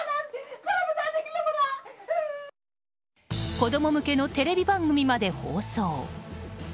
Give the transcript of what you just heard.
子供向けのテレビ番組まで放送。